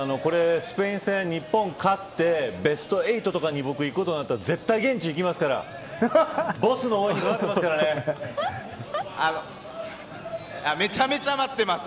スペイン戦、日本が勝ってベスト８とかにいくことになったら絶対、現地に行きますからボスの応援にめちゃめちゃ待ってます。